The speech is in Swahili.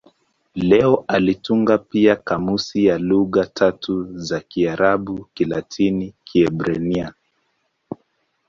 Leo alitunga pia kamusi ya lugha tatu za Kiarabu-Kilatini-Kiebrania.